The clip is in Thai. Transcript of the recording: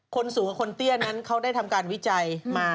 คนสูงกับคนเตี้ยนั้นเขาได้ทำการวิจัยมา